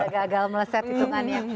gagal meleset hitungannya